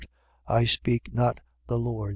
I speak, not the Lord. .